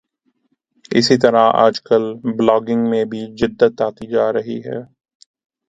اسی طرح آج کل بلاگنگ میں بھی جدت آتی جارہی ہے